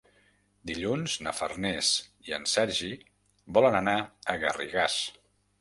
Dilluns na Farners i en Sergi volen anar a Garrigàs.